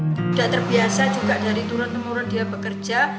tidak terbiasa juga dari turun temurun dia bekerja